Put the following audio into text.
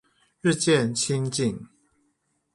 日漸親近